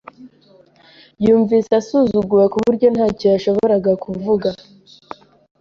Yumvise asuzuguwe ku buryo ntacyo yashoboraga kuvuga.